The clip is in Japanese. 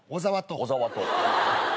小沢と。